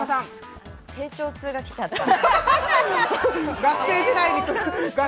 成長痛が来ちゃった。